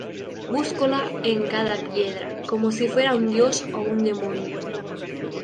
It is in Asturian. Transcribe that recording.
Búscola en cada piedra, como si fuera un dios o un demoniu.